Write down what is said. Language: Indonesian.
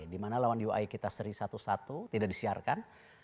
dimana lawan ui kita seri satu satu tidak disiarkan